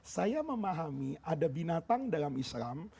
saya memahami ada binatang dalam islam